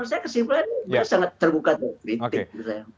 saya kesimpulan sangat terbuka dari kritik